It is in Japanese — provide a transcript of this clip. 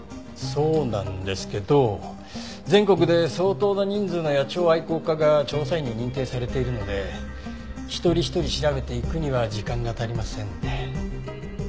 そうなんですけど全国で相当な人数の野鳥愛好家が調査員に認定されているので一人一人調べていくには時間が足りませんね。